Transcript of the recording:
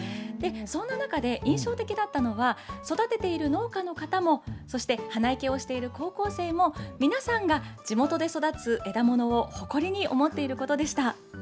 そんな中で印象的だったのが、育てている農家の方も、そして花いけをしている高校生も、皆さんが地元で育つ枝物を誇りに思っていることでした。